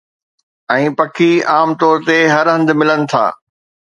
۽ پکي عام طور تي هر هنڌ ملن ٿا